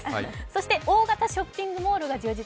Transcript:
そして大型ショッピングモールが充実。